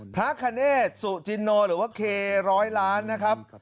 พระคเนธสุจินโนหรือว่าเคร้อยล้านนะครับ